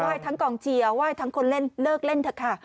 ว่าให้ทั้งกองเจียว่าให้ทั้งคนเล่นเลิกเล่นเถอะค่ะ